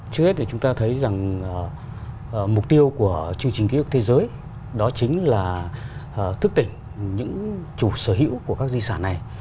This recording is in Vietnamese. trước hết thì chúng ta thấy rằng mục tiêu của chương trình ký ức thế giới đó chính là thức tỉnh những chủ sở hữu của các di sản này